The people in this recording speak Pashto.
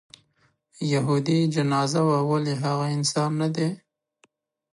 یهودي جنازه وه ولې هغه انسان نه دی.